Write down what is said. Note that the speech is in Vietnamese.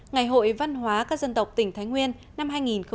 ngày hội văn hóa các dân tộc tỉnh thái nguyên năm hai nghìn một mươi chín